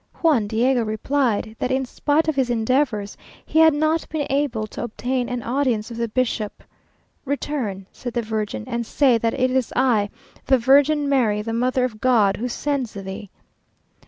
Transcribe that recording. Juan Diego replied, that in spite of his endeavours, he had not been able to obtain an audience of the bishop. "Return," said the Virgin, "and say that it is I, the Virgin Mary, the Mother of God, who sends thee."